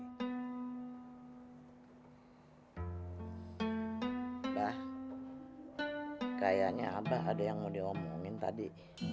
mbak kayaknya abah ada yang mau diomongin tadi